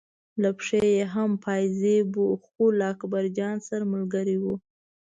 له پښې یې هم پازاب و خو له اکبرجان سره ملګری و.